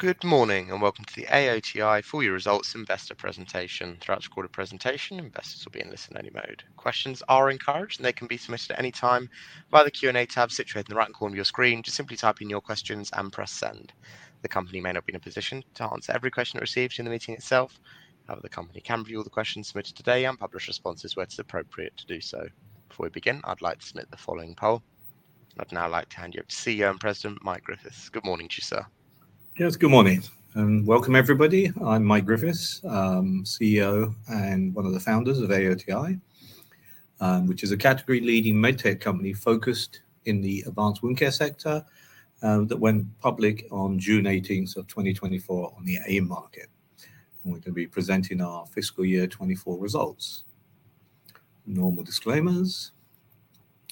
Good morning and welcome to the AOTI Four-Year Results Investor Presentation. Throughout the recorded presentation, investors will be in listen-only mode. Questions are encouraged, and they can be submitted at any time via the Q&A tab situated in the right corner of your screen. Just simply type in your questions and press send. The company may not be in a position to answer every question it receives in the meeting itself, however, the company can review all the questions submitted today and publish responses where it's appropriate to do so. Before we begin, I'd like to submit the following poll. I'd now like to hand you over to CEO and President Mike Griffiths. Good morning to you, sir. Yes, good morning. Welcome, everybody. I'm Mike Griffiths, CEO and one of the founders of AOTI, which is a category-leading MedTech company focused in the advanced wound care sector that went public on June 18th of 2024 on the AIM market, and we're going to be presenting our fiscal year 24 results. Normal disclaimers.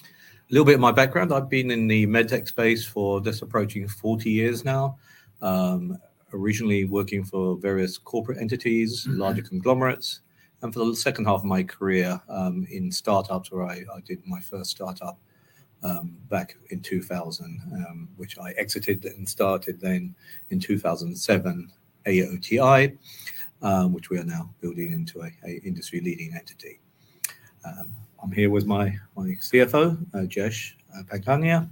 A little bit of my background: I've been in the MedTech space for just approaching 40 years now, originally working for various corporate entities, larger conglomerates, and for the second half of my career in startups, where I did my first startup back in 2000, which I exited and started then in 2007, AOTI, which we are now building into an industry-leading entity. I'm here with my CFO, Jayesh Pankania.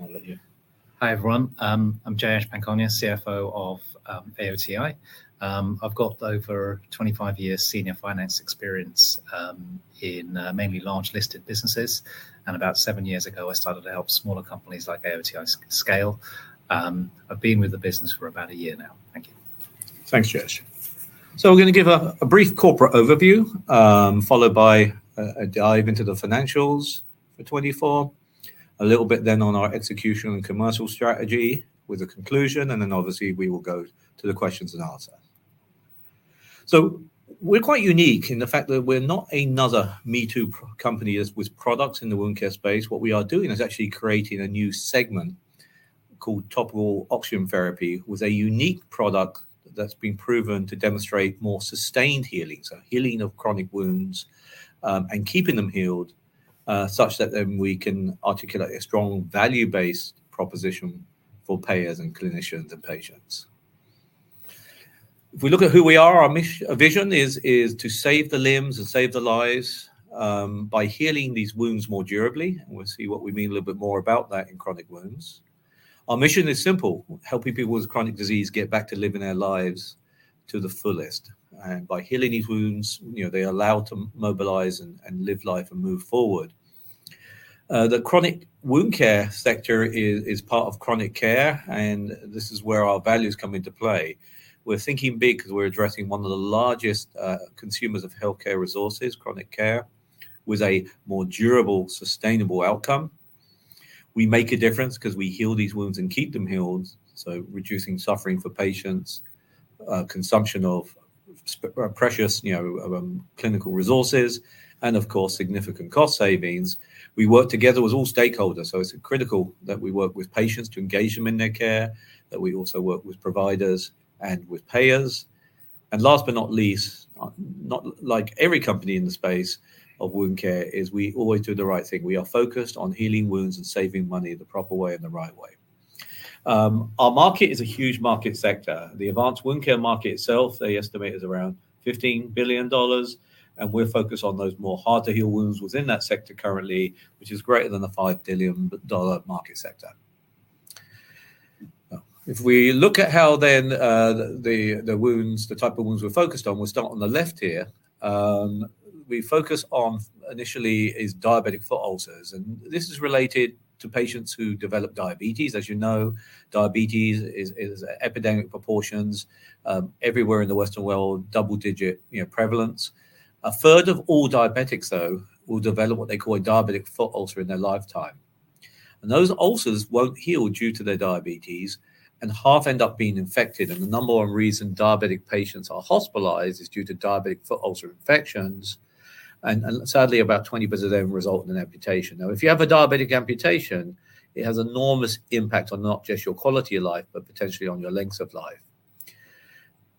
I'll let you. Hi, everyone. I'm Jayesh Pankhania, CFO of AOTI. I've got over 25 years of senior finance experience in mainly large listed businesses, and about seven years ago, I started to help smaller companies like AOTI scale. I've been with the business for about a year now. Thank you. Thanks, Jayesh, so we're going to give a brief corporate overview, followed by a dive into the financials for 2024, a little bit then on our execution and commercial strategy with a conclusion, and then obviously, we will go to the questions and answers, so we're quite unique in the fact that we're not another me-too company with products in the wound care space. What we are doing is actually creating a new segment called topical oxygen therapy with a unique product that's been proven to demonstrate more sustained healing, so healing of chronic wounds and keeping them healed such that then we can articulate a strong value-based proposition for payers and clinicians and patients. If we look at who we are, our mission, our vision is to save the limbs and save the lives by healing these wounds more durably. We'll see what we mean a little bit more about that in chronic wounds. Our mission is simple: helping people with chronic disease get back to living their lives to the fullest. By healing these wounds, they are allowed to mobilize and live life and move forward. The chronic wound care sector is part of chronic care, and this is where our values come into play. We're thinking big because we're addressing one of the largest consumers of healthcare resources, chronic care, with a more durable, sustainable outcome. We make a difference because we heal these wounds and keep them healed, so reducing suffering for patients, consumption of precious clinical resources, and of course, significant cost savings. We work together with all stakeholders. It's critical that we work with patients to engage them in their care, that we also work with providers and with payers. Last but not least, unlike every company in the space of wound care, is we always do the right thing. We are focused on healing wounds and saving money the proper way and the right way. Our market is a huge market sector. The advanced wound care market itself, they estimate is around $15 billion. We're focused on those more hard-to-heal wounds within that sector currently, which is greater than the $5 billion market sector. If we look at how then the wounds, the type of wounds we're focused on, we'll start on the left here. We focus on initially is diabetic foot ulcers. This is related to patients who develop diabetes. As you know, diabetes is epidemic proportions everywhere in the Western world, double-digit prevalence. A third of all diabetics, though, will develop what they call a diabetic foot ulcer in their lifetime. Those ulcers won't heal due to their diabetes, and half end up being infected. The number one reason diabetic patients are hospitalized is due to diabetic foot ulcer infections. Sadly, about 20% of them result in an amputation. Now, if you have a diabetic amputation, it has enormous impact on not just your quality of life, but potentially on your length of life.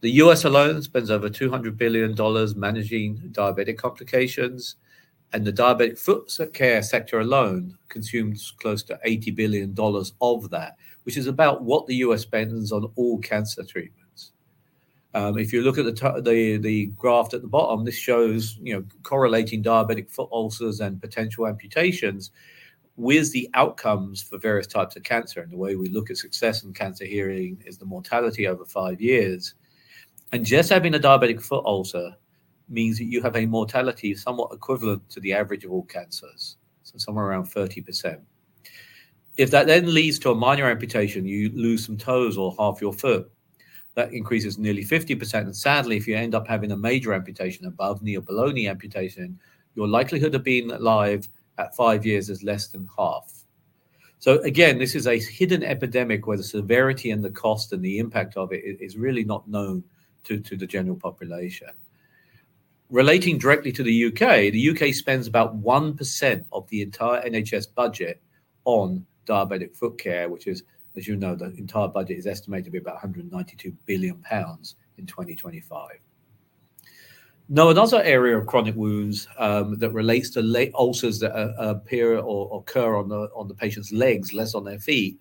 The U.S. alone spends over $200 billion managing diabetic complications. The diabetic foot care sector alone consumes close to $80 billion of that, which is about what the U.S. spends on all cancer treatments. If you look at the graph at the bottom, this shows correlating diabetic foot ulcers and potential amputations with the outcomes for various types of cancer. The way we look at success in cancer healing is the mortality over five years. Just having a diabetic foot ulcer means that you have a mortality somewhat equivalent to the average of all cancers, so somewhere around 30%. If that then leads to a minor amputation, you lose some toes or half your foot. That increases nearly 50%. And sadly, if you end up having a major amputation above knee or below knee amputation, your likelihood of being alive at five years is less than half. So again, this is a hidden epidemic where the severity and the cost and the impact of it is really not known to the general population. Relating directly to the U.K., the U.K. spends about 1% of the entire NHS budget on diabetic foot care, which is, as you know, the entire budget is estimated to be about 192 billion pounds in 2025. Now, another area of chronic wounds that relates to ulcers that appear or occur on the patient's legs, less on their feet,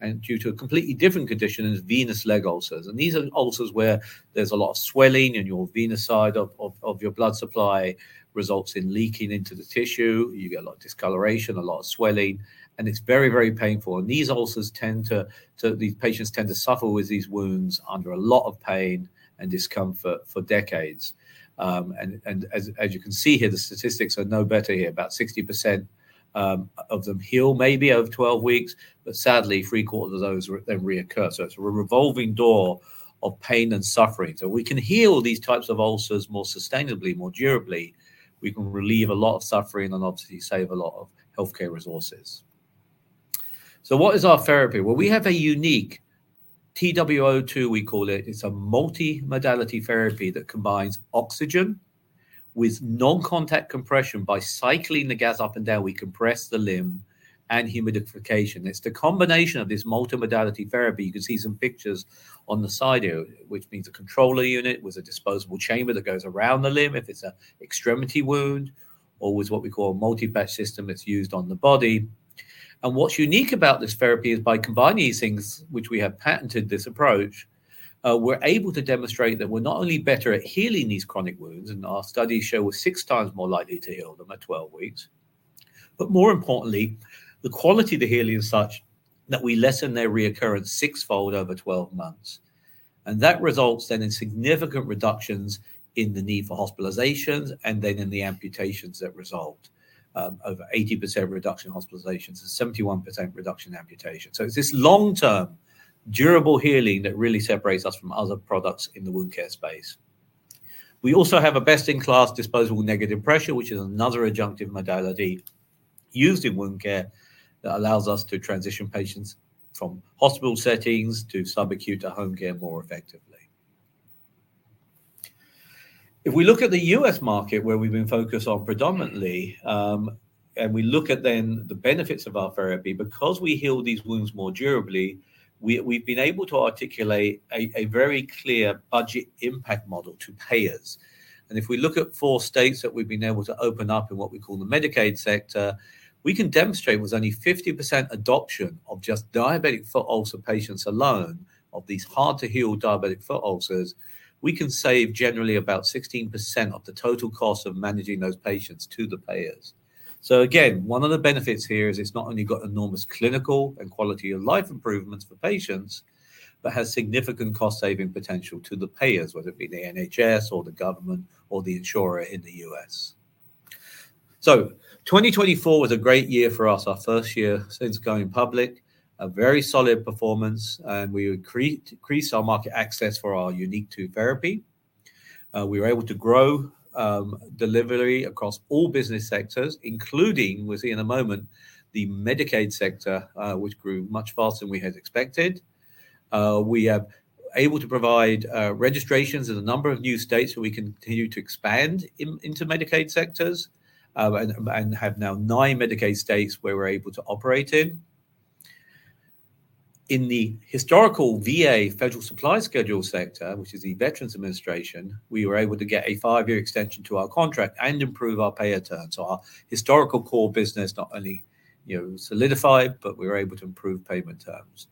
and due to a completely different condition is venous leg ulcers. And these are ulcers where there's a lot of swelling and your venous side of your blood supply results in leaking into the tissue. You get a lot of discoloration, a lot of swelling, and it's very, very painful. And these ulcers tend to, these patients tend to suffer with these wounds under a lot of pain and discomfort for decades. And as you can see here, the statistics are no better here. About 60% of them heal maybe over 12 weeks, but sadly, three-quarters of those then reoccur. So it's a revolving door of pain and suffering. So we can heal these types of ulcers more sustainably, more durably. We can relieve a lot of suffering and obviously save a lot of healthcare resources. So what is our therapy? Well, we have a unique TWO2, we call it. It's a multi-modality therapy that combines oxygen with non-contact compression. By cycling the gas up and down, we compress the limb and humidification. It's the combination of this multi-modality therapy. You can see some pictures on the side here, which means a controller unit with a disposable chamber that goes around the limb if it's an extremity wound or with what we call a multi-bed system that's used on the body. What's unique about this therapy is by combining these things, which we have patented this approach, we're able to demonstrate that we're not only better at healing these chronic wounds, and our studies show we're six times more likely to heal them at 12 weeks, but more importantly, the quality of the healing is such that we lessen their recurrence six-fold over 12 months. That results then in significant reductions in the need for hospitalizations and then in the amputations that result, over 80% reduction in hospitalizations and 71% reduction in amputation. It's this long-term durable healing that really separates us from other products in the wound care space. We also have a best-in-class disposable negative pressure, which is another adjunctive modality used in wound care that allows us to transition patients from hospital settings to subacute to home care more effectively. If we look at the U.S. market, where we've been focused on predominantly, and we look at then the benefits of our therapy, because we heal these wounds more durably, we've been able to articulate a very clear budget impact model to payers, and if we look at four states that we've been able to open up in what we call the Medicaid sector, we can demonstrate with only 50% adoption of just diabetic foot ulcer patients alone, of these hard-to-heal diabetic foot ulcers, we can save generally about 16% of the total cost of managing those patients to the payers, so again, one of the benefits here is it's not only got enormous clinical and quality of life improvements for patients, but has significant cost-saving potential to the payers, whether it be the NHS or the government or the insurer in the U.S. 2024 was a great year for us, our first year since going public, a very solid performance, and we increased our market access for our unique TWO2 therapy. We were able to grow delivery across all business sectors, including, we'll see in a moment, the Medicaid sector, which grew much faster than we had expected. We are able to provide registrations in a number of new states so we can continue to expand into Medicaid sectors and have now nine Medicaid states where we're able to operate in. In the historical VA Federal Supply Schedule sector, which is the Veterans Administration, we were able to get a five-year extension to our contract and improve our payer terms. Our historical core business not only solidified, but we were able to improve payment terms.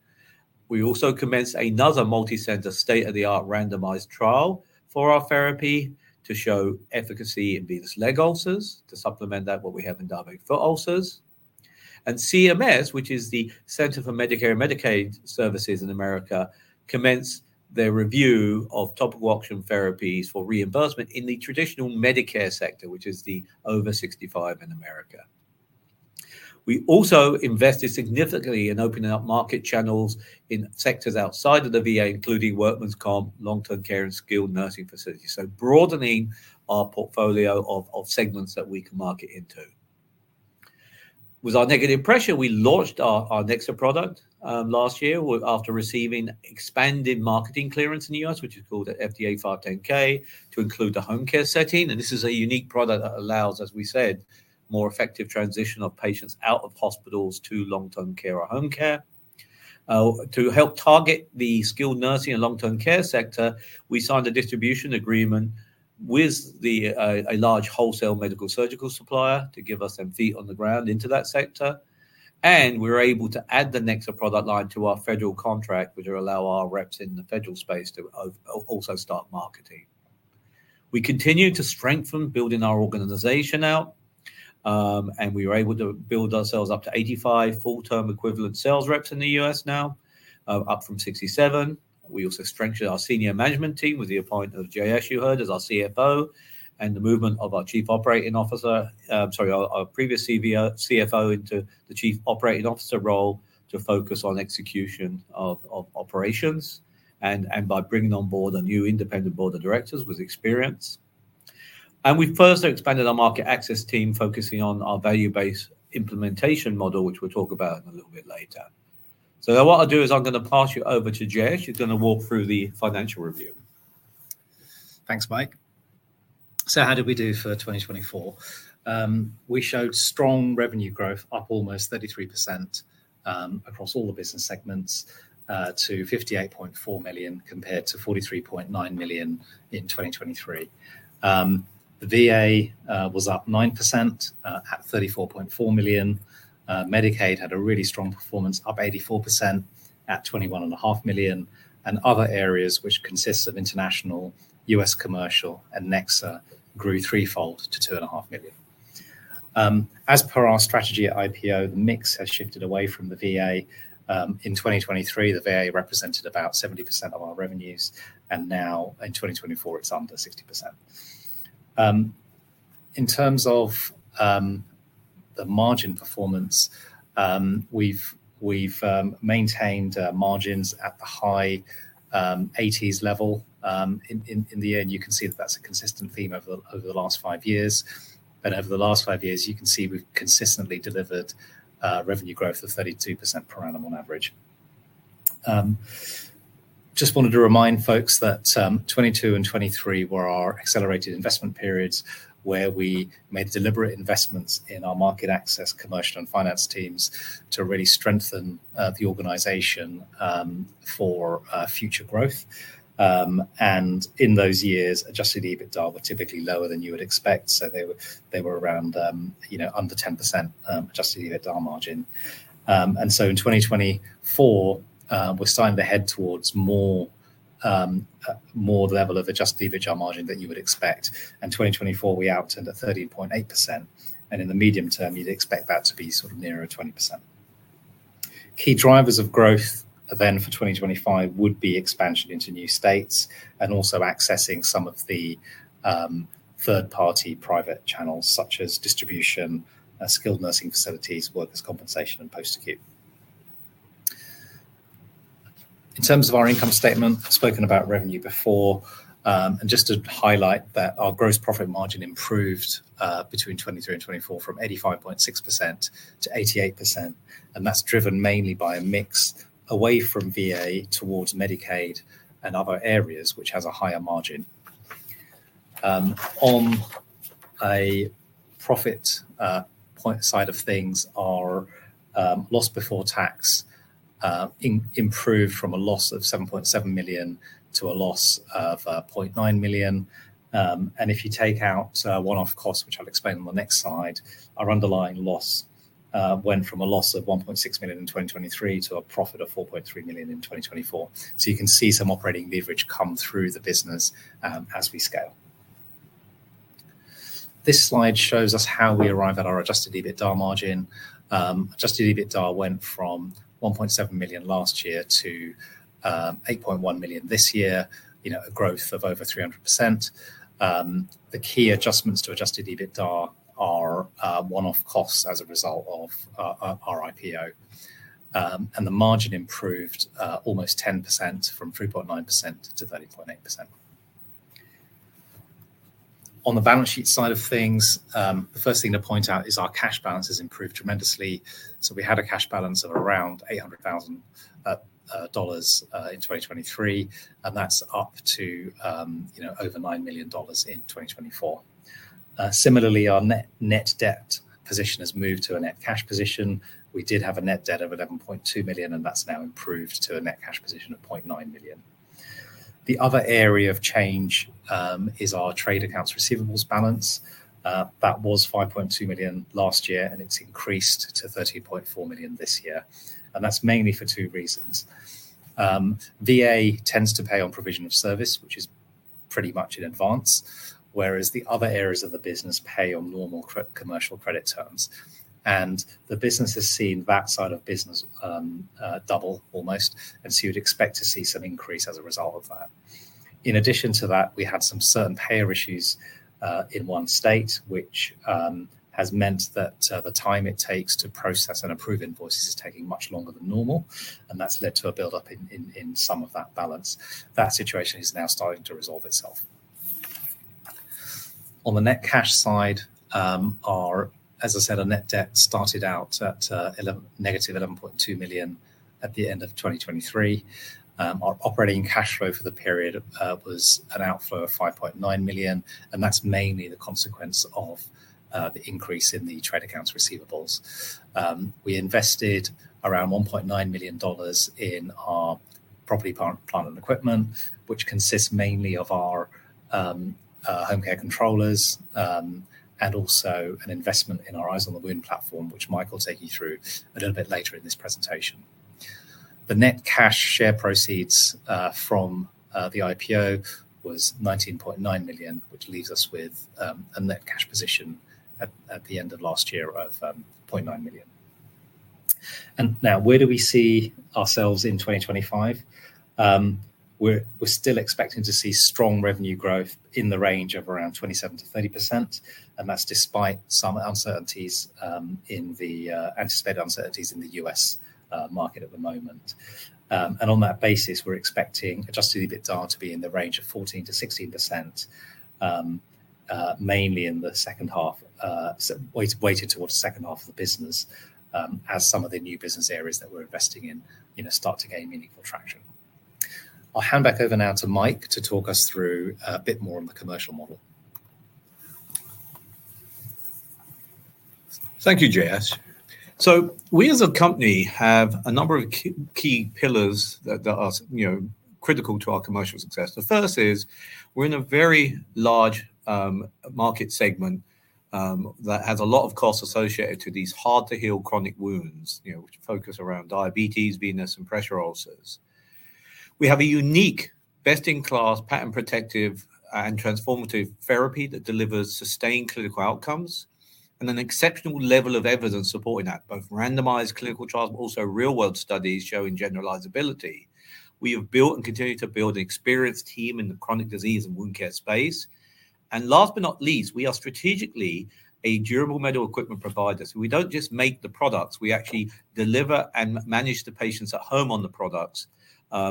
We also commenced another multi-center state-of-the-art randomized trial for our therapy to show efficacy in venous leg ulcers to supplement that, what we have in diabetic foot ulcers. CMS, which is the Centers for Medicare and Medicaid Services in America, commenced their review of topical oxygen therapies for reimbursement in the traditional Medicare sector, which is the over 65 in America. We also invested significantly in opening up market channels in sectors outside of the VA, including workers' compensation, long-term care, and skilled nursing facilities, so broadening our portfolio of segments that we can market into. With our negative pressure, we launched our NEXA product last year after receiving expanded marketing clearance in the US, which is called FDA 510(k), to include the home care setting. This is a unique product that allows, as we said, more effective transition of patients out of hospitals to long-term care or home care. To help target the skilled nursing and long-term care sector, we signed a distribution agreement with a large wholesale medical-surgical supplier to give us some feet on the ground into that sector. We were able to add the NEXA product line to our federal contract, which will allow our reps in the federal space to also start marketing. We continue to strengthen building our organization out, and we were able to build ourselves up to 85 full-time equivalent sales reps in the U.S. now, up from 67. We also strengthened our senior management team with the appointment of Jayesh, you heard, as our CFO, and the movement of our Chief Operating Officer, sorry, our previous CFO into the Chief Operating Officer role to focus on execution of operations and by bringing on board a new independent board of directors with experience. And we've further expanded our market access team, focusing on our value-based implementation model, which we'll talk about in a little bit later. So what I'll do is I'm going to pass you over to Jayesh. He's going to walk through the financial review. Thanks, Mike. So how did we do for 2024? We showed strong revenue growth, up almost 33% across all the business segments to $58.4 million compared to $43.9 million in 2023. The VA was up 9% at $34.4 million. Medicaid had a really strong performance, up 84% at $21.5 million. Other areas, which consist of international, U.S. commercial, and NEXA, grew threefold to $2.5 million. As per our strategy at IPO, the mix has shifted away from the VA. In 2023, the VA represented about 70% of our revenues, and now in 2024, it's under 60%. In terms of the margin performance, we've maintained margins at the high 80s level in the year. You can see that that's a consistent theme over the last five years. Over the last five years, you can see we've consistently delivered revenue growth of 32% per annum on average. Just wanted to remind folks that 2022 and 2023 were our accelerated investment periods where we made deliberate investments in our market access, commercial, and finance teams to really strengthen the organization for future growth. In those years, Adjusted EBITDA were typically lower than you would expect. So they were around under 10% Adjusted EBITDA margin. And so in 2024, we're starting to head towards more level of Adjusted EBITDA margin than you would expect. And 2024, we got to under 13.8%. And in the medium term, you'd expect that to be sort of nearer 20%. Key drivers of growth then for 2025 would be expansion into new states and also accessing some of the third-party private channels such as distribution, skilled nursing facilities, Workers' Compensation, and post-acute. In terms of our income statement, I've spoken about revenue before. And just to highlight that our gross profit margin improved between 2023 and 2024 from 85.6%-88%. And that's driven mainly by a mix away from VA towards Medicaid and other areas, which has a higher margin. On a profit side of things, our loss before tax improved from a loss of $7.7 million to a loss of $0.9 million. And if you take out one-off costs, which I'll explain on the next slide, our underlying loss went from a loss of $1.6 million in 2023 to a profit of $4.3 million in 2024. So you can see some operating leverage come through the business as we scale. This slide shows us how we arrive at our Adjusted EBITDA margin. Adjusted EBITDA went from $1.7 million last year to $8.1 million this year, a growth of over 300%. The key adjustments to Adjusted EBITDA are one-off costs as a result of our IPO. And the margin improved almost 10% from 3.9% to 30.8%. On the balance sheet side of things, the first thing to point out is our cash balance has improved tremendously. We had a cash balance of around $800,000 in 2023, and that's up to over $9 million in 2024. Similarly, our net debt position has moved to a net cash position. We did have a net debt of $11.2 million, and that's now improved to a net cash position of $0.9 million. The other area of change is our trade accounts receivables balance. That was $5.2 million last year, and it's increased to $30.4 million this year. That's mainly for two reasons. VA tends to pay on provision of service, which is pretty much in advance, whereas the other areas of the business pay on normal commercial credit terms. The business has seen that side of business double almost, and so you would expect to see some increase as a result of that. In addition to that, we had some certain payer issues in one state, which has meant that the time it takes to process and approve invoices is taking much longer than normal, and that's led to a build-up in some of that balance. That situation is now starting to resolve itself. On the net cash side, as I said, our net debt started out at -$11.2 million at the end of 2023. Our operating cash flow for the period was an outflow of $5.9 million, and that's mainly the consequence of the increase in the trade accounts receivables. We invested around $1.9 million in our property, plant and equipment, which consists mainly of our home care controllers and also an investment in our Eyes on the Wound platform, which Mike will take you through a little bit later in this presentation. The net cash share proceeds from the IPO was $19.9 million, which leaves us with a net cash position at the end of last year of $0.9 million. Now, where do we see ourselves in 2025? We're still expecting to see strong revenue growth in the range of around 27-30%, and that's despite some uncertainties in the anticipated U.S. market at the moment. On that basis, we're expecting Adjusted EBITDA to be in the range of 14-16%, mainly in the second half, weighted towards the second half of the business, as some of the new business areas that we're investing in start to gain meaningful traction. I'll hand back over now to Mike to talk us through a bit more on the commercial model. Thank you, Jayesh. We, as a company, have a number of key pillars that are critical to our commercial success. The first is we're in a very large market segment that has a lot of costs associated to these hard-to-heal chronic wounds, which focus around diabetes, venous, and pressure ulcers. We have a unique best-in-class patent-protected and transformative therapy that delivers sustained clinical outcomes and an exceptional level of evidence supporting that, both randomized clinical trials, but also real-world studies showing generalizability. We have built and continue to build an experienced team in the chronic disease and wound care space. And last but not least, we are strategically a durable medical equipment provider. We don't just make the products. We actually deliver and manage the patients at home on the products,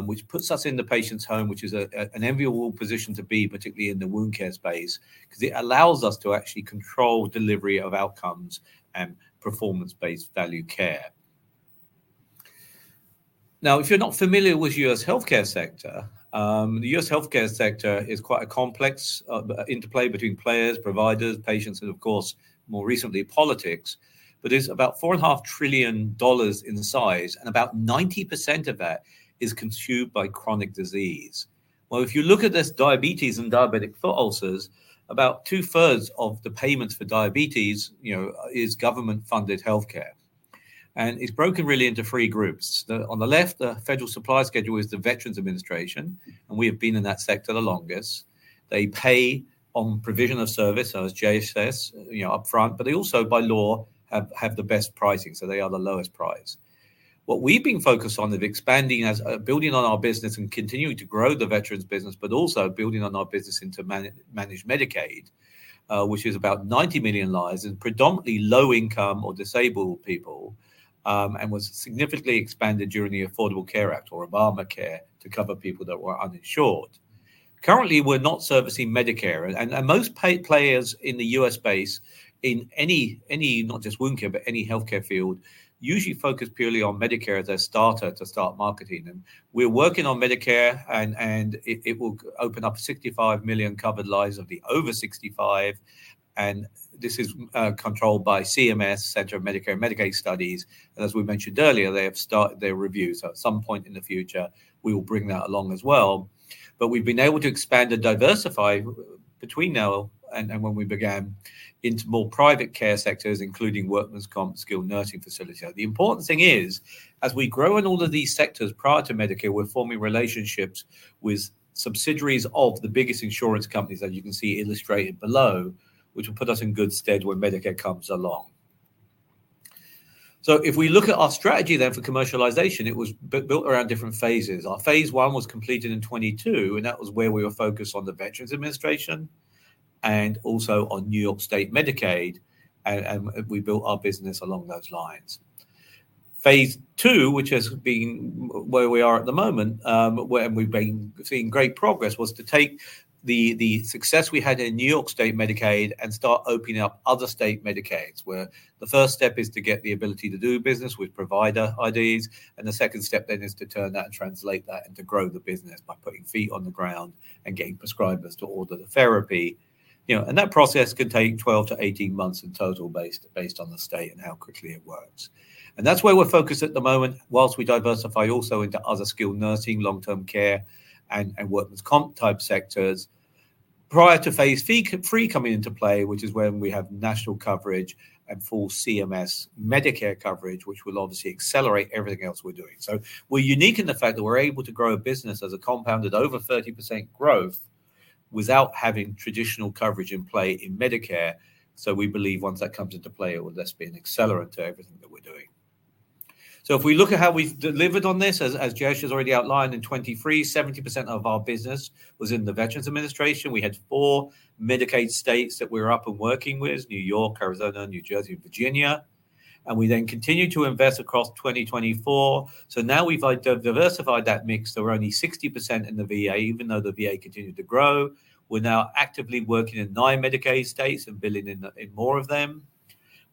which puts us in the patient's home, which is an enviable position to be, particularly in the wound care space, because it allows us to actually control delivery of outcomes and performance-based value care. Now, if you're not familiar with the U.S. healthcare sector, the U.S. healthcare sector is quite a complex interplay between players, providers, patients, and, of course, more recently, politics, but it's about $4.5 trillion in size, and about 90% of that is consumed by chronic disease. Well, if you look at this diabetes and diabetic foot ulcers, about two-thirds of the payments for diabetes is government-funded healthcare. And it's broken really into three groups. On the left, the Federal Supply Schedule is the Veterans Administration, and we have been in that sector the longest. They pay on provision of service, so as Jayesh says, upfront, but they also, by law, have the best pricing, so they are the lowest price. What we've been focused on is expanding, building on our business and continuing to grow the veterans business, but also building on our business into managed Medicaid, which is about 90 million lives and predominantly low-income or disabled people, and was significantly expanded during the Affordable Care Act or Obamacare to cover people that were uninsured. Currently, we're not servicing Medicare, and most players in the U.S. space, in any, not just wound care, but any healthcare field, usually focus purely on Medicare as their starter to start marketing, and we're working on Medicare, and it will open up 65 million covered lives of the over 65, and this is controlled by CMS, Centers for Medicare and Medicaid Services. As we mentioned earlier, they have started their review. At some point in the future, we will bring that along as well. We've been able to expand and diversify between now and when we began into more private care sectors, including workers' comp, skilled nursing facilities. The important thing is, as we grow in all of these sectors prior to Medicare, we're forming relationships with subsidiaries of the biggest insurance companies, as you can see illustrated below, which will put us in good stead when Medicare comes along. If we look at our strategy then for commercialization, it was built around different phases. Our phase one was completed in 2022, and that was where we were focused on the Veterans Administration and also on New York State Medicaid. We built our business along those lines. Phase two, which has been where we are at the moment, and we've been seeing great progress, was to take the success we had in New York State Medicaid and start opening up other state Medicaids, where the first step is to get the ability to do business with provider IDs. The second step then is to turn that and translate that and to grow the business by putting feet on the ground and getting prescribers to order the therapy. That process can take 12-18 months in total based on the state and how quickly it works. That's where we're focused at the moment, whilst we diversify also into other skilled nursing, long-term care, and workers' comp type sectors. Prior to phase three coming into play, which is when we have national coverage and full CMS Medicare coverage, which will obviously accelerate everything else we're doing. So we're unique in the fact that we're able to grow a business as a compound at over 30% growth without having traditional coverage in play in Medicare. So we believe once that comes into play, it will just be an accelerant to everything that we're doing. So if we look at how we've delivered on this, as Jayesh has already outlined in 2023, 70% of our business was in the Veterans Administration. We had four Medicaid states that we were up and working with: New York, Arizona, New Jersey, and Virginia. And we then continued to invest across 2024. So now we've diversified that mix. There were only 60% in the VA, even though the VA continued to grow. We're now actively working in nine Medicaid states and building in more of them.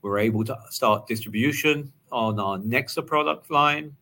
We're able to start distribution on our NEXA product line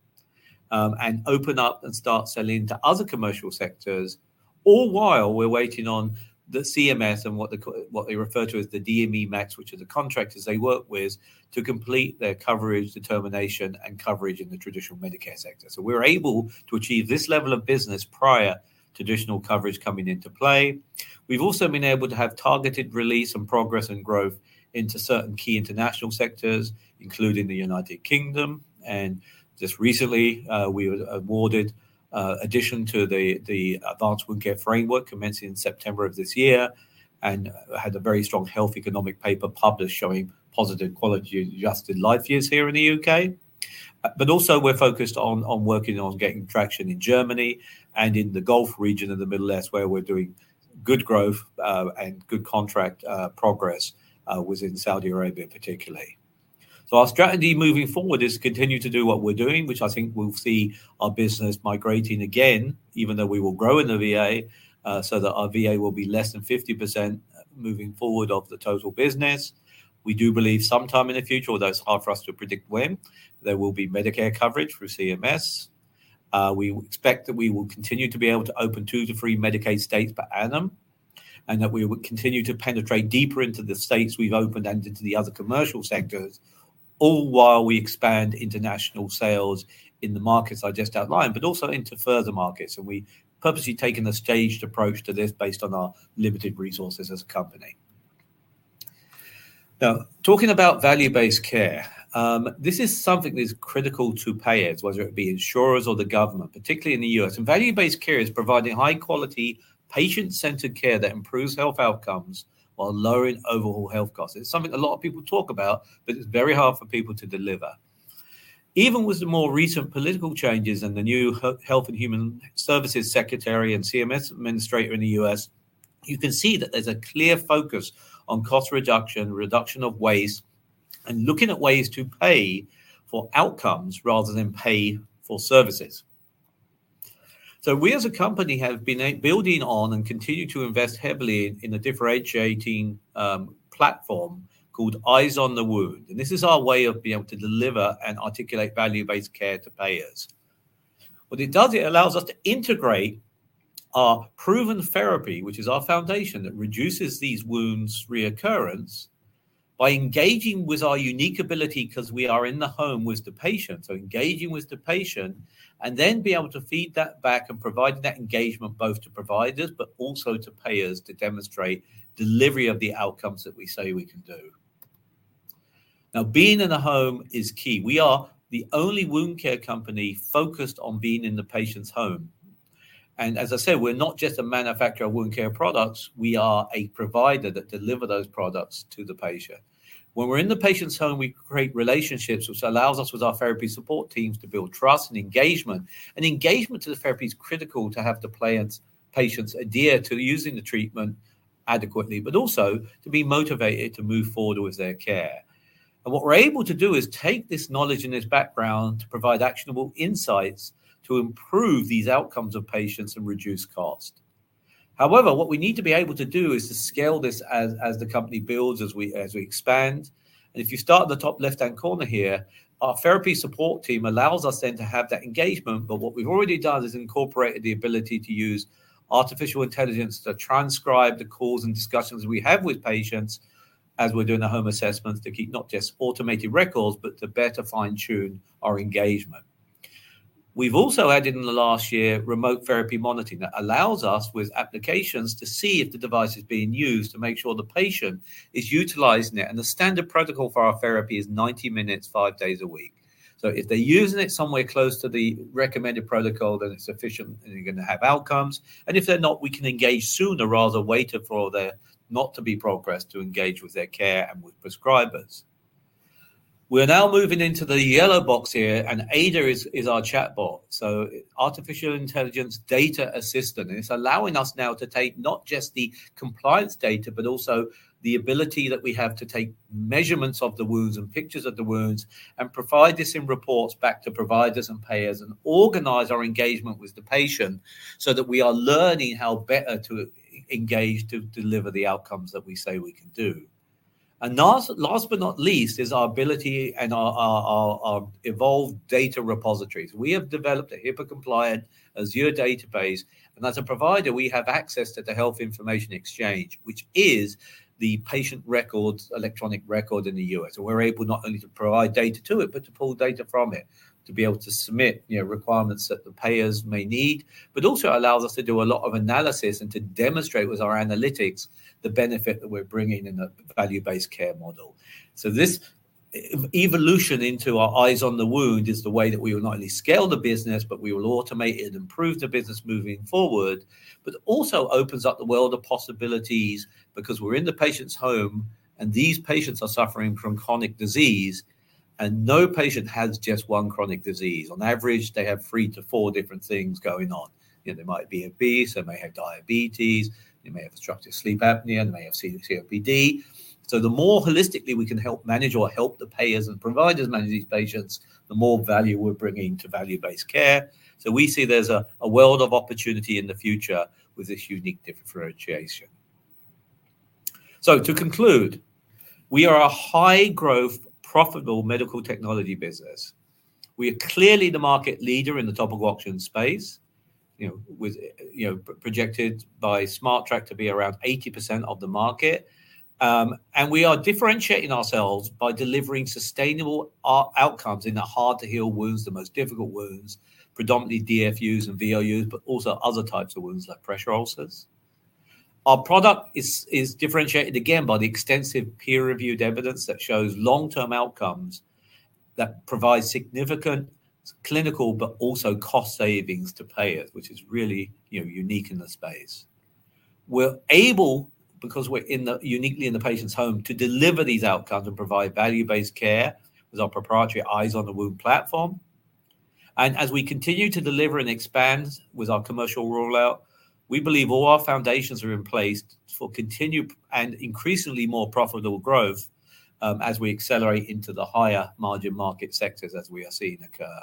and open up and start selling into other commercial sectors, all while we're waiting on the CMS and what they refer to as the DME MACs, which are the contractors they work with, to complete their coverage determination and coverage in the traditional Medicare sector, so we were able to achieve this level of business prior to additional coverage coming into play. We've also been able to have targeted release and progress and growth into certain key international sectors, including the United Kingdom, and just recently, we were awarded addition to the Advanced Wound Care Framework, commencing in September of this year, and had a very strong health economic paper published showing positive quality-adjusted life years here in the U.K. But also, we're focused on working on getting traction in Germany and in the Gulf region and the Middle East, where we're doing good growth and good contract progress within Saudi Arabia, particularly. So our strategy moving forward is to continue to do what we're doing, which I think we'll see our business migrating again, even though we will grow in the VA, so that our VA will be less than 50% moving forward of the total business. We do believe sometime in the future, although it's hard for us to predict when, there will be Medicare coverage through CMS. We expect that we will continue to be able to open two to three Medicaid states per annum and that we will continue to penetrate deeper into the states we've opened and into the other commercial sectors, all while we expand international sales in the markets I just outlined, but also into further markets, and we've purposely taken a staged approach to this based on our limited resources as a company. Now, talking about value-based care, this is something that is critical to payers, whether it be insurers or the government, particularly in the U.S., and value-based care is providing high-quality, patient-centered care that improves health outcomes while lowering overall health costs. It's something a lot of people talk about, but it's very hard for people to deliver. Even with the more recent political changes and the new Health and Human Services Secretary and CMS Administrator in the U.S., you can see that there's a clear focus on cost reduction, reduction of waste, and looking at ways to pay for outcomes rather than pay for services, so we, as a company, have been building on and continue to invest heavily in a differentiating platform called Eyes on the Wound, and this is our way of being able to deliver and articulate value-based care to payers. What it does, it allows us to integrate our proven therapy, which is our foundation that reduces these wounds' recurrence, by engaging with our unique ability because we are in the home with the patient. So engaging with the patient and then being able to feed that back and provide that engagement both to providers, but also to payers to demonstrate delivery of the outcomes that we say we can do. Now, being in the home is key. We are the only wound care company focused on being in the patient's home. And as I said, we're not just a manufacturer of wound care products. We are a provider that delivers those products to the patient. When we're in the patient's home, we create relationships, which allows us, with our therapy support teams, to build trust and engagement. And engagement to the therapy is critical to have the patients adhere to using the treatment adequately, but also to be motivated to move forward with their care. And what we're able to do is take this knowledge and this background to provide actionable insights to improve these outcomes of patients and reduce cost. However, what we need to be able to do is to scale this as the company builds, as we expand. And if you start in the top left-hand corner here, our therapy support team allows us then to have that engagement. But what we've already done is incorporated the ability to use artificial intelligence to transcribe the calls and discussions we have with patients as we're doing the home assessments to keep not just automated records, but to better fine-tune our engagement. We've also added in the last year remote therapy monitoring that allows us, with applications, to see if the device is being used to make sure the patient is utilizing it. The standard protocol for our therapy is 90 minutes, five days a week. If they're using it somewhere close to the recommended protocol, then it's sufficient and you're going to have outcomes. If they're not, we can engage sooner rather than wait for there not to be progress to engage with their care and with prescribers. We're now moving into the yellow box here, and AIDA is our chatbot. Artificial intelligence data assistant, it's allowing us now to take not just the compliance data, but also the ability that we have to take measurements of the wounds and pictures of the wounds and provide this in reports back to providers and payers and organize our engagement with the patient so that we are learning how better to engage to deliver the outcomes that we say we can do. Last but not least is our ability and our evolved data repositories. We have developed a HIPAA-compliant Azure database, and as a provider, we have access to the health information exchange, which is the patient records, electronic record in the U.S. We're able not only to provide data to it, but to pull data from it to be able to submit requirements that the payers may need, but also allows us to do a lot of analysis and to demonstrate with our analytics the benefit that we're bringing in a value-based care model. So this evolution into our Eyes on the Wound is the way that we will not only scale the business, but we will automate it and improve the business moving forward, but also opens up the world of possibilities because we're in the patient's home and these patients are suffering from chronic disease and no patient has just one chronic disease. On average, they have three to four different things going on. They might be obese, they may have diabetes, they may have obstructive sleep apnea, they may have COPD. So the more holistically we can help manage or help the payers and providers manage these patients, the more value we're bringing to Value-Based Care. So we see there's a world of opportunity in the future with this unique differentiation. So to conclude, we are a high-growth, profitable medical technology business. We are clearly the market leader in the topical oxygen space, projected by SmartTRAK to be around 80% of the market, and we are differentiating ourselves by delivering sustainable outcomes in the hard-to-heal wounds, the most difficult wounds, predominantly DFUs and VLUs, but also other types of wounds like pressure ulcers. Our product is differentiated again by the extensive peer-reviewed evidence that shows long-term outcomes that provide significant clinical, but also cost savings to payers, which is really unique in the space. We're able, because we're uniquely in the patient's home, to deliver these outcomes and provide value-based care with our proprietary Eyes on the Wound platform, and as we continue to deliver and expand with our commercial rollout, we believe all our foundations are in place for continued and increasingly more profitable growth as we accelerate into the higher margin market sectors as we are seeing occur.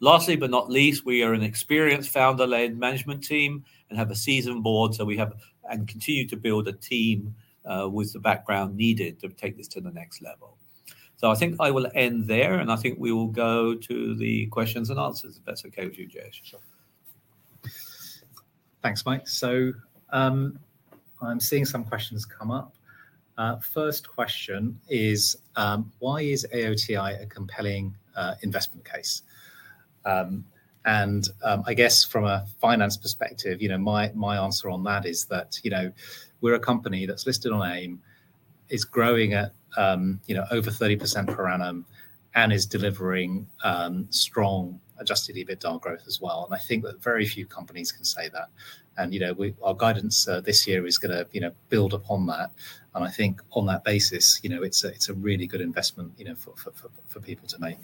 Lastly, but not least, we are an experienced founder-led management team and have a seasoned board, so we have and continue to build a team with the background needed to take this to the next level. So I think I will end there, and I think we will go to the questions and answers, if that's okay with you, Jayesh. Sure. Thanks, Mike. So I'm seeing some questions come up. First question is, why is AOTI a compelling investment case? And I guess from a finance perspective, my answer on that is that we're a company that's listed on AIM, is growing at over 30% per annum, and is delivering strong adjusted EBITDA growth as well. And I think that very few companies can say that. And our guidance this year is going to build upon that. I think on that basis, it's a really good investment for people to make.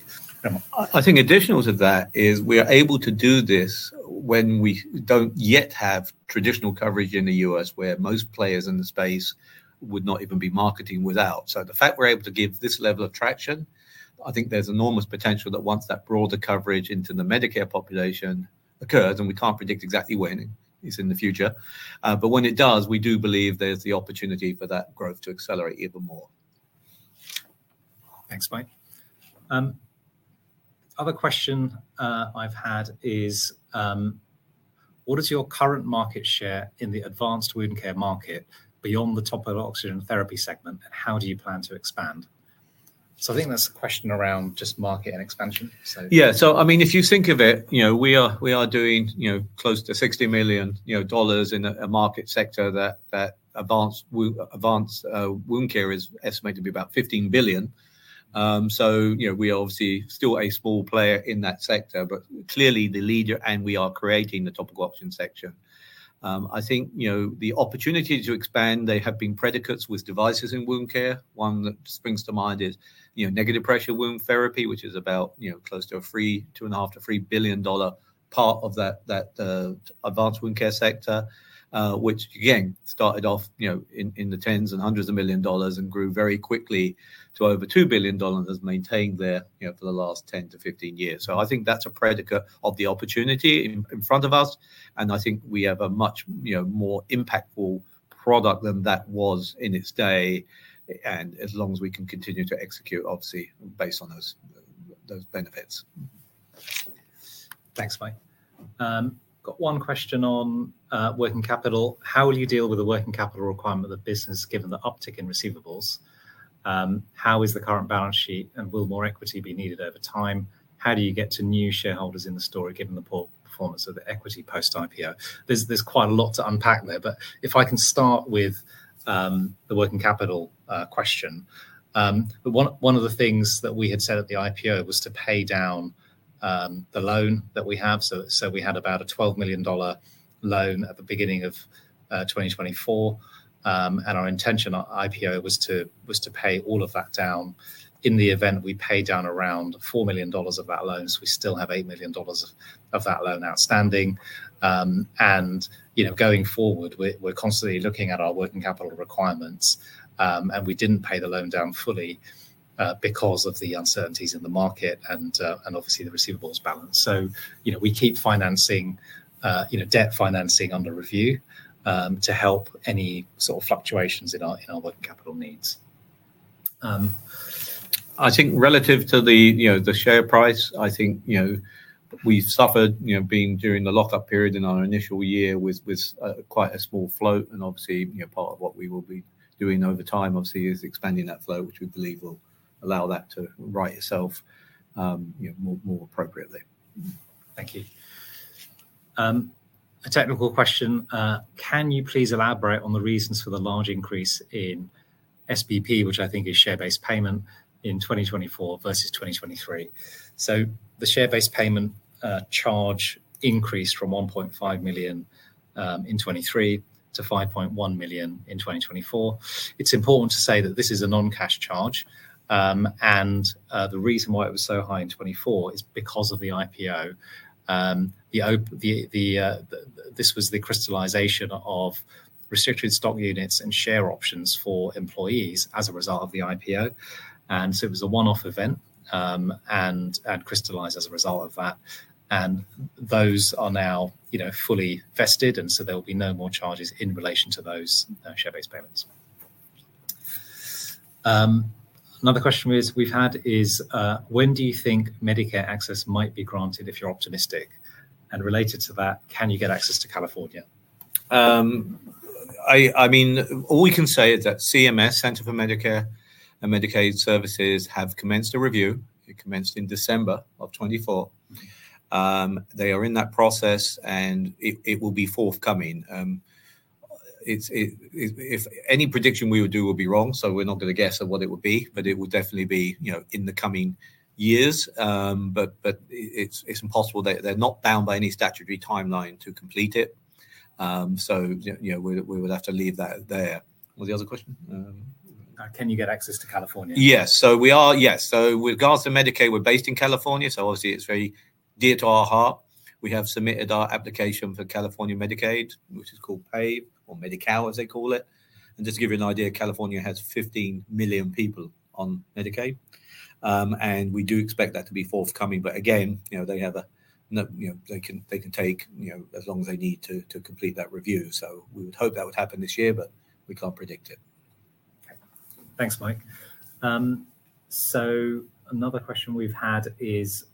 I think additional to that is we are able to do this when we don't yet have traditional coverage in the U.S., where most players in the space would not even be marketing without. So the fact we're able to give this level of traction, I think there's enormous potential that once that broader coverage into the Medicare population occurs, and we can't predict exactly when it's in the future. But when it does, we do believe there's the opportunity for that growth to accelerate even more. Thanks, Mike. Other question I've had is, what is your current market share in the advanced wound care market beyond the topical oxygen therapy segment, and how do you plan to expand? So I think that's a question around just market and expansion. Yeah. I mean, if you think of it, we are doing close to $60 million in a market sector that advanced wound care is estimated to be about $15 billion. We are obviously still a small player in that sector, but clearly the leader, and we are creating the topical oxygen sector. I think the opportunity to expand. There have been predicates with devices in wound care. One that springs to mind is negative pressure wound therapy, which is about close to a $2.5-$3 billion part of that advanced wound care sector, which, again, started off in the tens and hundreds of million dollars and grew very quickly to over $2 billion and has maintained there for the last 10 to 15 years. I think that's a predicate of the opportunity in front of us. I think we have a much more impactful product than that was in its day, and as long as we can continue to execute, obviously, based on those benefits. Thanks, Mike. Got one question on working capital. How will you deal with the working capital requirement of the business given the uptick in receivables? How is the current balance sheet, and will more equity be needed over time? How do you get to new shareholders in the story given the poor performance of the equity post-IPO? There's quite a lot to unpack there, but if I can start with the working capital question. One of the things that we had said at the IPO was to pay down the loan that we have. So we had about a $12 million loan at the beginning of 2024. Our intention at IPO was to pay all of that down in the event we pay down around $4 million of that loan. We still have $8 million of that loan outstanding. Going forward, we're constantly looking at our working capital requirements, and we didn't pay the loan down fully because of the uncertainties in the market and obviously the receivables balance. We keep debt financing under review to help any sort of fluctuations in our working capital needs. I think relative to the share price, I think we've suffered during the lockup period in our initial year with quite a small float. Obviously, part of what we will be doing over time, obviously, is expanding that float, which we believe will allow that to right itself more appropriately. Thank you. A technical question. Can you please elaborate on the reasons for the large increase in SBP, which I think is share-based payment, in 2024 versus 2023? So the share-based payment charge increased from $1.5 million in 2023 to $5.1 million in 2024. It's important to say that this is a non-cash charge. And the reason why it was so high in 2024 is because of the IPO. This was the crystallization of restricted stock units and share options for employees as a result of the IPO. And so it was a one-off event and crystallized as a result of that. And those are now fully vested, and so there will be no more charges in relation to those share-based payments. Another question we've had is, when do you think Medicare access might be granted if you're optimistic? And related to that, can you get access to California? I mean, all we can say is that CMS, Centers for Medicare and Medicaid Services, have commenced a review. It commenced in December of 2024. They are in that process, and it will be forthcoming. If any prediction we would do would be wrong, so we're not going to guess at what it would be, but it would definitely be in the coming years, but it's impossible. They're not bound by any statutory timeline to complete it. So we would have to leave that there. What was the other question? Can you get access to California? Yes. So regards to Medicaid, we're based in California. So obviously, it's very dear to our heart. We have submitted our application for California Medicaid, which is called PAVE, or Medi-Cal, as they call it. And just to give you an idea, California has 15 million people on Medicaid. We do expect that to be forthcoming. But again, they can take as long as they need to complete that review. We would hope that would happen this year, but we can't predict it. Thanks, Mike. Another question we've had is,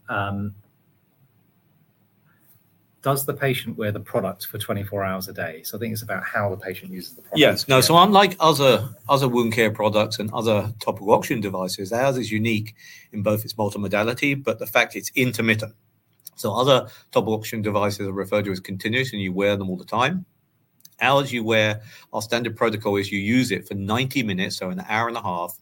does the patient wear the product for 24 hours a day? I think it's about how the patient uses the product. Yes. No. Unlike other wound care products and other topical oxygen devices, ours is unique in both its multi-modality, but the fact it's intermittent. Other topical oxygen devices are referred to as continuous, and you wear them all the time. Ours, you wear our standard protocol is you use it for 90 minutes, so an hour and a half,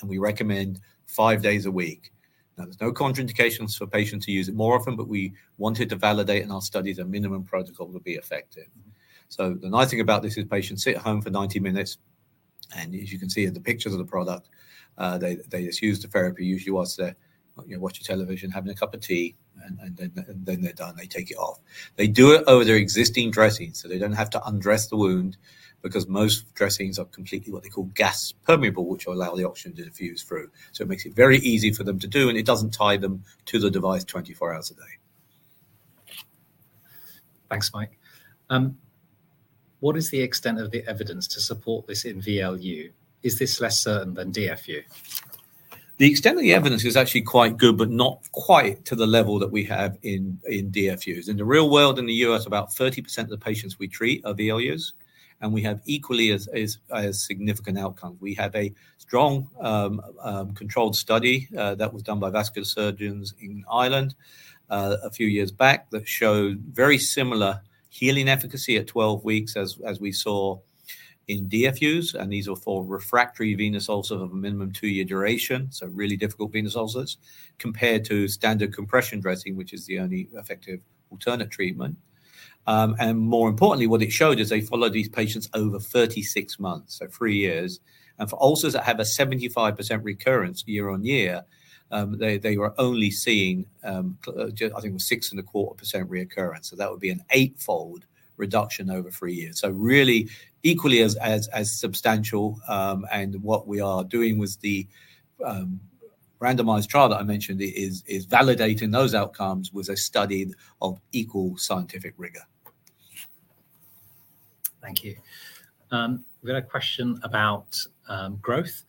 and we recommend five days a week. Now, there's no contraindications for patients to use it more often, but we wanted to validate in our studies a minimum protocol would be effective. So the nice thing about this is patients sit at home for 90 minutes. And as you can see in the pictures of the product, they just use the therapy. Usually, while they're watching television, having a cup of tea, and then they're done, they take it off. They do it over their existing dressing, so they don't have to undress the wound because most dressings are completely what they call gas permeable, which will allow the oxygen to diffuse through. So it makes it very easy for them to do, and it doesn't tie them to the device 24 hours a day. Thanks, Mike. What is the extent of the evidence to support this in VLU? Is this less certain than DFU? The extent of the evidence is actually quite good, but not quite to the level that we have in DFUs. In the real world, in the U.S., about 30% of the patients we treat are VLUs, and we have equally as significant outcomes. We have a strong controlled study that was done by vascular surgeons in Ireland a few years back that showed very similar healing efficacy at 12 weeks as we saw in DFUs, and these are for refractory venous ulcers of a minimum two-year duration, so really difficult venous ulcers, compared to standard compression dressing, which is the only effective alternate treatment, and more importantly, what it showed is they followed these patients over 36 months, so three years, and for ulcers that have a 75% recurrence year on year, they were only seeing, I think, a 6.25% reoccurrence. So that would be an eightfold reduction over three years, so really, equally as substantial. And what we are doing with the randomized trial that I mentioned is validating those outcomes with a study of equal scientific rigor. Thank you. We've got a question about growth.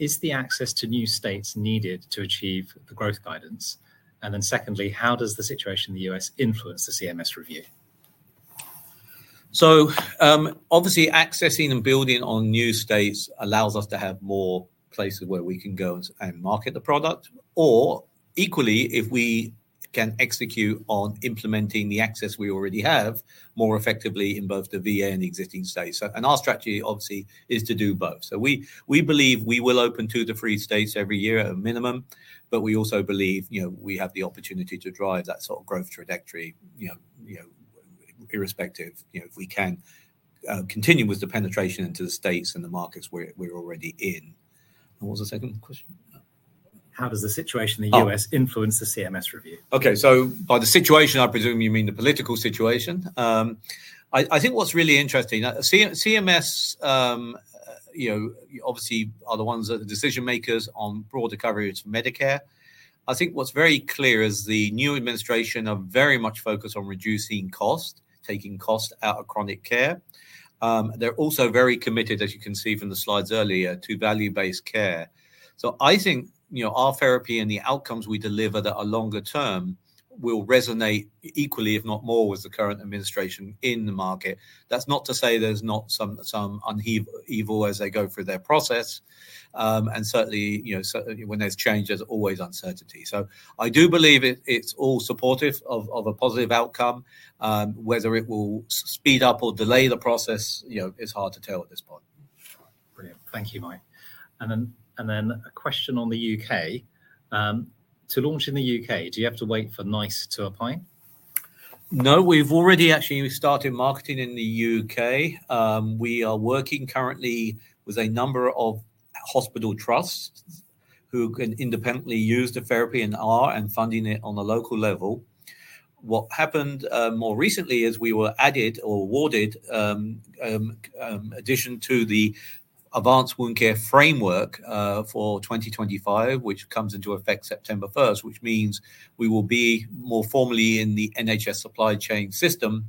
Is the access to new states needed to achieve the growth guidance? And then secondly, how does the situation in the U.S. influence the CMS review? So obviously, accessing and building on new states allows us to have more places where we can go and market the product, or equally, if we can execute on implementing the access we already have more effectively in both the VA and existing states, and our strategy, obviously, is to do both. We believe we will open two to three states every year at a minimum, but we also believe we have the opportunity to drive that sort of growth trajectory irrespective if we can continue with the penetration into the states and the markets we're already in. What was the second question? How does the situation in the U.S. influence the CMS review? Okay. By the situation, I presume you mean the political situation. I think what's really interesting. CMS obviously are the ones that are the decision makers on broader coverage of Medicare. I think what's very clear is the new administration are very much focused on reducing cost, taking cost out of chronic care. They're also very committed, as you can see from the slides earlier, to Value-Based Care. I think our therapy and the outcomes we deliver that are longer term will resonate equally, if not more, with the current administration in the market. That's not to say there's not some upheaval as they go through their process. And certainly, when there's change, there's always uncertainty. I do believe it's all supportive of a positive outcome. Whether it will speed up or delay the process, it's hard to tell at this point. Brilliant. Thank you, Mike. And then a question on the UK. To launch in the UK, do you have to wait for NICE to apply? No, we've already actually started marketing in the UK. We are working currently with a number of hospital trusts who can independently use the therapy and are funding it on a local level. What happened more recently is we were added or awarded addition to the Advanced Wound Care Framework for 2025, which comes into effect September 1st, which means we will be more formally in the NHS Supply Chain system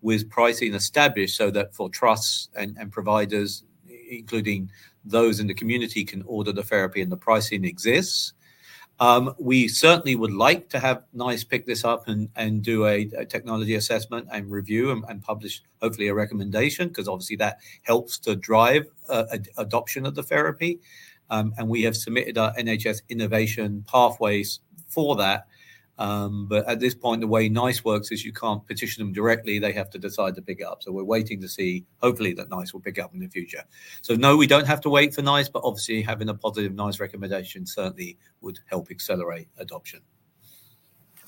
with pricing established so that for trusts and providers, including those in the community, can order the therapy and the pricing exists. We certainly would like to have NICE pick this up and do a technology assessment and review and publish, hopefully, a recommendation because obviously that helps to drive adoption of the therapy. And we have submitted our NHS innovation pathways for that. But at this point, the way NICE works is you can't petition them directly. They have to decide to pick it up. So we're waiting to see, hopefully, that NICE will pick up in the future. So no, we don't have to wait for NICE, but obviously, having a positive NICE recommendation certainly would help accelerate adoption.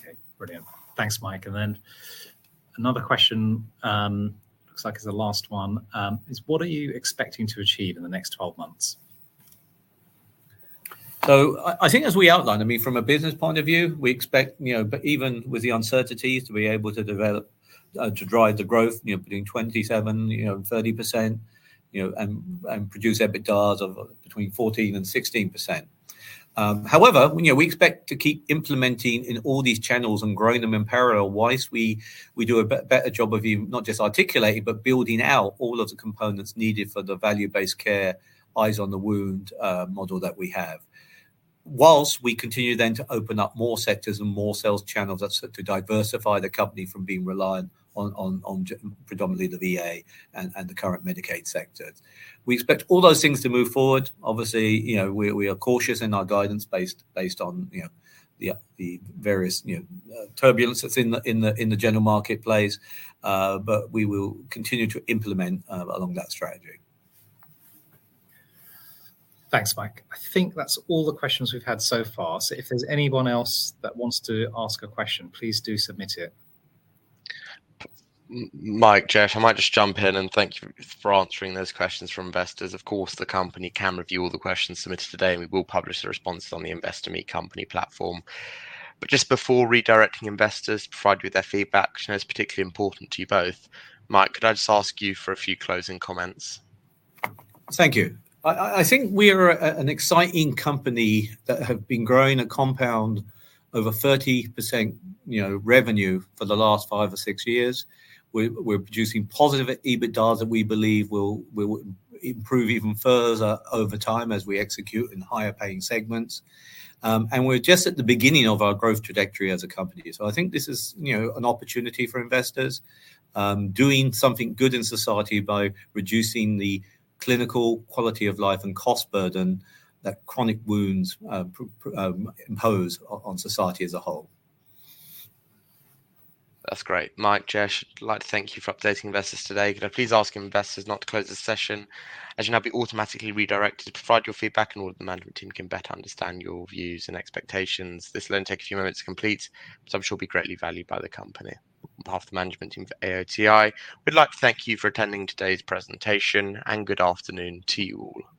Okay. Brilliant. Thanks, Mike. And then another question, looks like it's the last one, is what are you expecting to achieve in the next 12 months? So I think as we outlined, I mean, from a business point of view, we expect, even with the uncertainties, to be able to drive the growth between 27% and 30% and produce EBITDA of between 14% and 16%. However, we expect to keep implementing in all these channels and growing them in parallel whilst we do a better job of not just articulating, but building out all of the components needed for the Value-Based Care Eyes on the Wound model that we have, whilst we continue then to open up more sectors and more sales channels to diversify the company from being reliant on predominantly the VA and the current Medicaid sectors. We expect all those things to move forward. Obviously, we are cautious in our guidance based on the various turbulence that's in the general marketplace, but we will continue to implement along that strategy. Thanks, Mike. I think that's all the questions we've had so far. So if there's anyone else that wants to ask a question, please do submit it. Mike, Jayesh, I might just jump in and thank you for answering those questions from investors. Of course, the company can review all the questions submitted today, and we will publish the responses on the Investor Meet Company platform. But just before redirecting investors to provide you with their feedback, which I know is particularly important to you both, Mike, could I just ask you for a few closing comments? Thank you. I think we are an exciting company that have been growing a compound over 30% revenue for the last five or six years. We're producing positive EBITDA that we believe will improve even further over time as we execute in higher-paying segments, and we're just at the beginning of our growth trajectory as a company. So I think this is an opportunity for investors doing something good in society by reducing the clinical quality of life and cost burden that chronic wounds impose on society as a whole. That's great. Mike, Jayesh, I'd like to thank you for updating investors today. Could I please ask investors not to close the session as you'll now be automatically redirected to provide your feedback and all of the management team can better understand your views and expectations? This will only take a few moments to complete, but I'm sure it'll be greatly valued by the company. On behalf of the management team for AOTI, we'd like to thank you for attending today's presentation, and good afternoon to you all. Thank you.